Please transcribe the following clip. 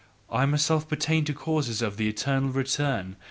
I myself pertain to the causes of the eternal return.